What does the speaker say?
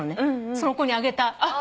その子にあげた。